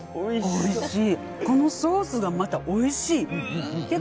おいしい！